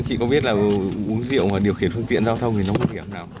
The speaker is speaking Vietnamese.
chị có biết là uống rượu mà điều khiển phương tiện giao thông thì nó không hiểm nào